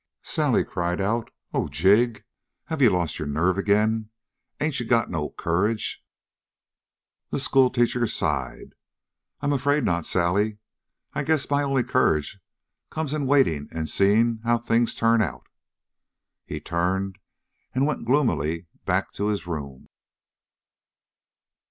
Sally cried out. "Oh, Jig, have you lost your nerve ag'in? Ain't you got no courage?" The schoolteacher sighed. "I'm afraid not, Sally. I guess my only courage comes in waiting and seeing how things turn out." He turned and went gloomily back to his room.